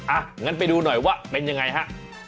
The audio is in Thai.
อ่ะงั้นไปดูหน่อยว่าเป็นยังไงฮะ